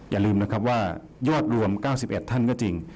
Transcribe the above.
อย่าลืมนะครับว่ายอดรวม๙๑ท่านก็จริง